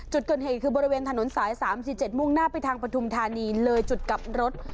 จุดเกิดเหตุคือบริเวณถนนสาย๓๔๗มุ่งหน้าไปทางปฐุมธานีเลยจุดกลับรถ